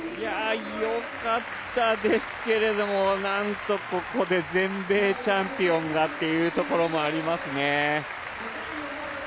よかったですけれども、なんとここで全米チャンピオンがっていうところもありますね。